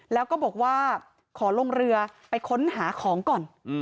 แล้วก็บอกว่าขอลงเรือไปค้นหาของก่อน